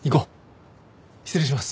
失礼します。